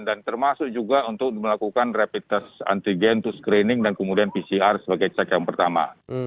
dan termasuk juga untuk melakukan rapid test antigen untuk screening dan kemudian pcr sebagai cek yang pertama